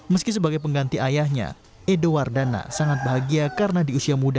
meski sebagai pengganti ayahnya edo wardana sangat bahagia karena di usia muda